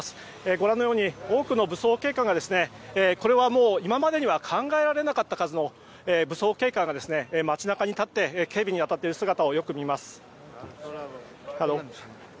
ご覧のように多くの武装警官が今までには考えられなかった数の武装警官が街中に立って警備に当たっている姿をよく見ます。